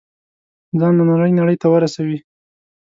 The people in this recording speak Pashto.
ځان نننۍ نړۍ ته ورسوي.